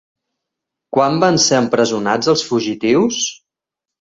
Quan van ser empresonats els fugitius?